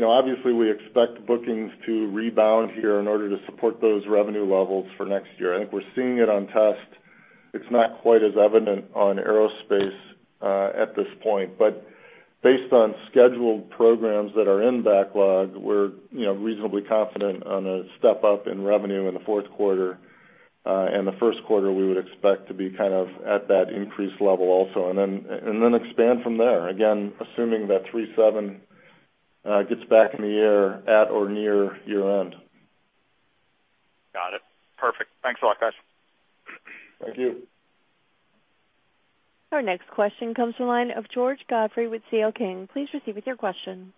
Obviously, we expect bookings to rebound here in order to support those revenue levels for next year. I think we're seeing it on test. It's not quite as evident on aerospace at this point. Based on scheduled programs that are in backlog, we're reasonably confident on a step-up in revenue in the fourth quarter. The first quarter we would expect to be kind of at that increased level also. Expand from there. Again, assuming that 37 gets back in the air at or near year-end. Got it. Perfect. Thanks a lot, guys. Thank you. Our next question comes from the line of George Godfrey with C.L. King. Please proceed with your question.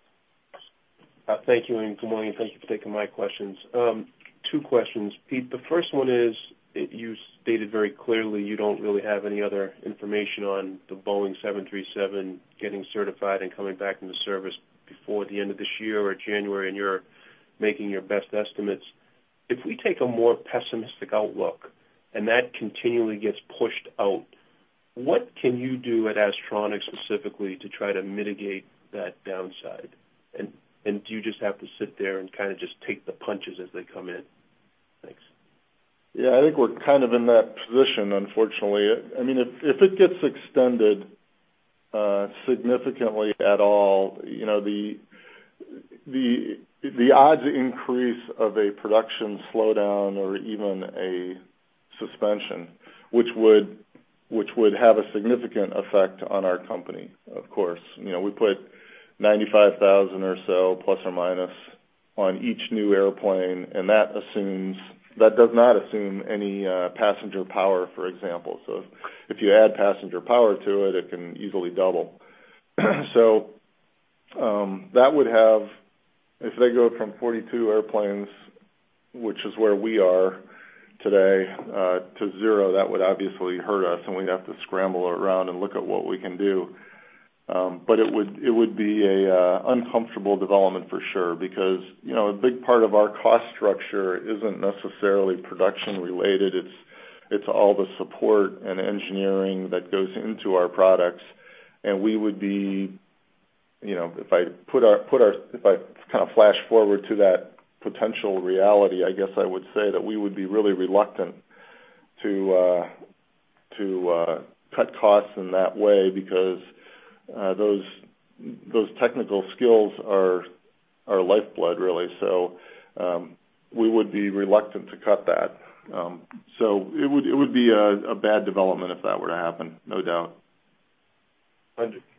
Thank you, and good morning. Thank you for taking my questions. Two questions, Pete. The first one is, you stated very clearly you don't really have any other information on the Boeing 737 getting certified and coming back into service before the end of this year or January, and you're making your best estimates. If we take a more pessimistic outlook and that continually gets pushed out, what can you do at Astronics specifically to try to mitigate that downside? Do you just have to sit there and kind of just take the punches as they come in? Thanks. Yeah. I think we're kind of in that position, unfortunately. If it gets extended significantly at all, the odds increase of a production slowdown or even a suspension, which would have a significant effect on our company, of course. We put 95,000 or so, plus or minus, on each new airplane, and that does not assume any passenger power, for example. If you add passenger power to it can easily double. If they go from 42 airplanes, which is where we are today, to zero, that would obviously hurt us, and we'd have to scramble around and look at what we can do. It would be a uncomfortable development for sure, because a big part of our cost structure isn't necessarily production-related. It's all the support and engineering that goes into our products. If I kind of flash forward to that potential reality, I guess I would say that we would be really reluctant to cut costs in that way because those technical skills are our lifeblood, really. We would be reluctant to cut that. It would be a bad development if that were to happen, no doubt.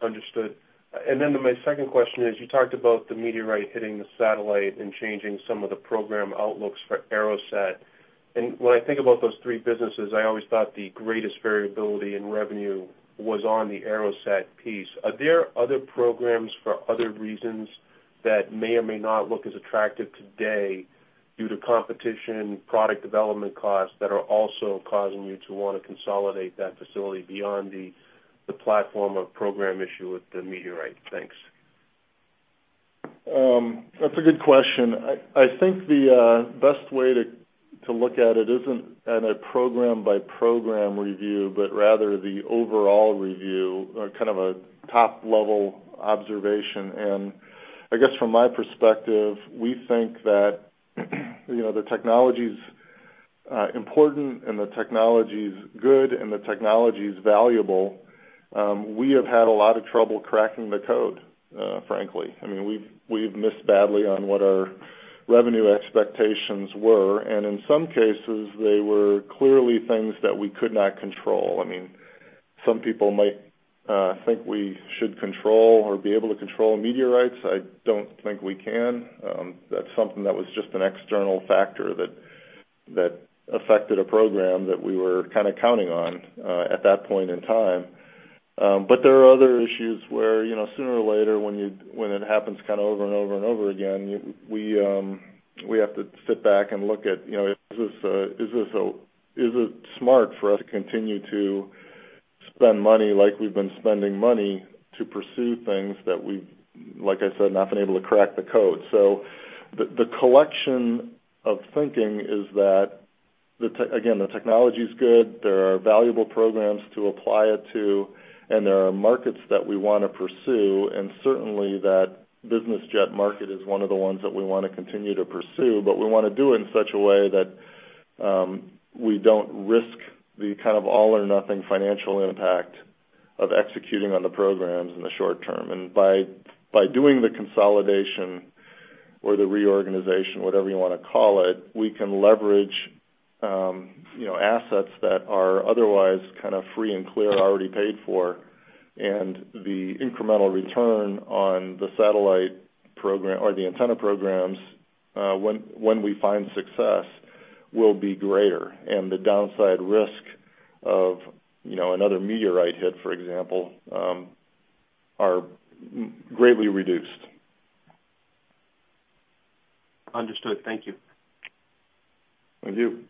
Understood. My second question is, you talked about the meteorite hitting the satellite and changing some of the program outlooks for AeroSat. When I think about those three businesses, I always thought the greatest variability in revenue was on the AeroSat piece. Are there other programs for other reasons that may or may not look as attractive today due to competition, product development costs, that are also causing you to want to consolidate that facility beyond the platform of program issue with the meteorite? Thanks. That's a good question. I think the best way to look at it isn't at a program-by-program review, but rather the overall review, kind of a top-level observation. I guess from my perspective, we think that the technology's important and the technology's good, and the technology's valuable. We have had a lot of trouble cracking the code, frankly. I mean, we've missed badly on what our revenue expectations were, and in some cases, they were clearly things that we could not control. I mean, some people might think we should control or be able to control meteorites. I don't think we can. That's something that was just an external factor that affected a program that we were kind of counting on at that point in time. There are other issues where, sooner or later, when it happens kind of over and over and over again, we have to sit back and look at, is it smart for us to continue to spend money like we've been spending money to pursue things that we've, like I said, not been able to crack the code? The collection of thinking is that, again, the technology's good, there are valuable programs to apply it to, and there are markets that we want to pursue, and certainly that business jet market is one of the ones that we want to continue to pursue. We want to do it in such a way that we don't risk the kind of all-or-nothing financial impact of executing on the programs in the short term. By doing the consolidation or the reorganization, whatever you want to call it, we can leverage assets that are otherwise kind of free and clear, already paid for. The incremental return on the satellite program or the antenna programs, when we find success, will be greater. The downside risk of another meteorite hit, for example, are greatly reduced. Understood. Thank you. Thank you.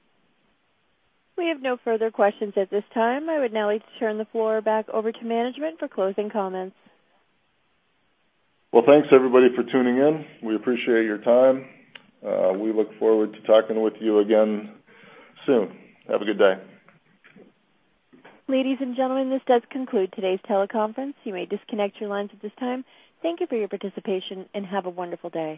We have no further questions at this time. I would now like to turn the floor back over to management for closing comments. Well, thanks everybody for tuning in. We appreciate your time. We look forward to talking with you again soon. Have a good day. Ladies and gentlemen, this does conclude today's teleconference. You may disconnect your lines at this time. Thank you for your participation, and have a wonderful day.